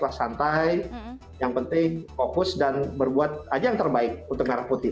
kita sampaikan juga di bawah relax santai yang penting fokus dan berbuat aja yang terbaik untuk negara putih